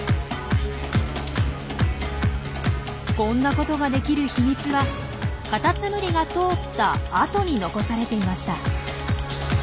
こんなことができる秘密はカタツムリが通った跡に残されていました。